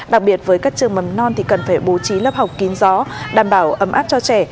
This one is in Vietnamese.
đặc biệt với các trường mầm non thì cần phải bố trí lớp học kín gió đảm bảo ấm áp cho trẻ